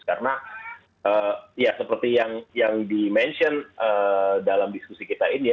karena seperti yang dimention dalam diskusi kita ini